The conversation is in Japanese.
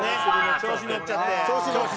「調子のっちゃって」。